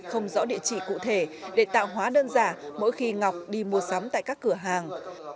không rõ địa chỉ cụ thể để tạo hóa đơn giả mỗi khi ngọc đi mua sắm tại các cửa hàng